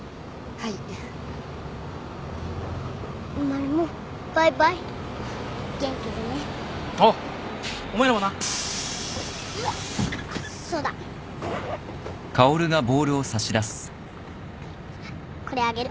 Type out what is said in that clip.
はいこれあげる。